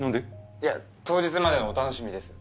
いや当日までのお楽しみです。